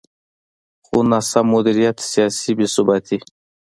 خو ناسم مدیریت، سیاسي بې ثباتي.